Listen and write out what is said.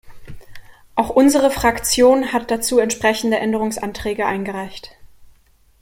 Auch unsere Fraktion hat dazu entsprechende Änderungsanträge eingereicht.